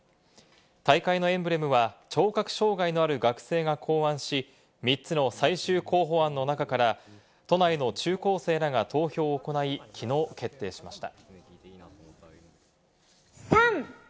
大会のエンブレムは聴覚障害のある学生が考案し、３つの最終候補案の中から都内の中高生らが投票を行い、きのう決定しました。